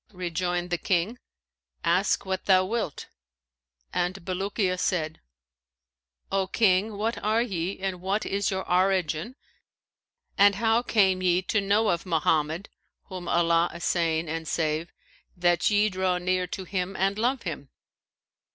Rejoined the King, 'Ask what thou wilt,' and Bulukiya said, 'O King, what are ye and what is your origin and how came ye to know of Mohammed (whom Allah assain and save!) that ye draw near to him and love him?'